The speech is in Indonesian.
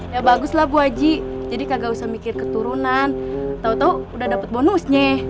ya baguslah bu haji jadi kagak usah mikir keturunan tau tau udah dapet bonusnya